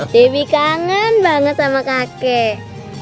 debbie kangen banget sama kakek